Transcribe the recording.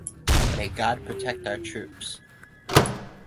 May God protect our troops.